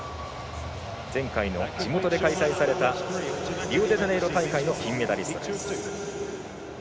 前回の地元で開催されたリオデジャネイロ大会の金メダリストです。